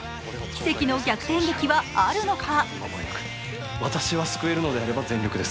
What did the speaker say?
奇跡の逆転劇はあるのか？